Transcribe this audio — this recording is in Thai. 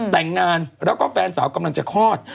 แต่งงานแล้วก็แฟนสาวกำลังจะคลอด